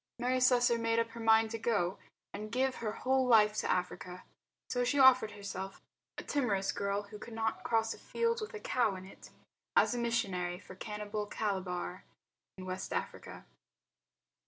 Mary Slessor made up her mind to go out and give her whole life to Africa. So she offered herself, a timorous girl who could not cross a field with a cow in it, as a missionary for cannibal Calabar, in West Africa.